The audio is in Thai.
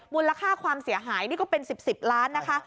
มูลค่าความเสียหายนี่ก็เป็น๑๐๑๐ล้านนะคะ